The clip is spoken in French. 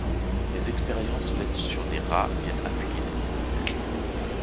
Des expériences faites sur des rats viennent appuyer cette hypothèse.